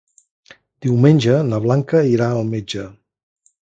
Diumenge na Blanca irà al metge.